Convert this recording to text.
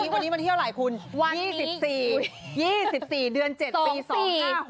วันนี้มันเที่ยวไหร่คุณ๒๔เดือน๗ปี๒๕๖๖